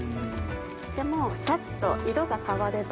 でもうサッと色が変われば。